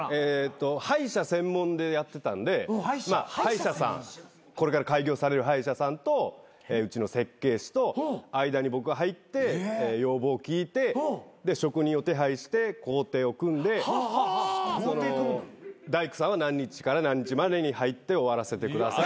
歯医者専門でやってたんでこれから開業される歯医者さんとうちの設計士と間に僕が入って要望聞いてで職人を手配して工程を組んで大工さんは何日から何日までに入って終わらせてください。